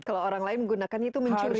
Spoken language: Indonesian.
kalau orang lain gunakannya itu mencuri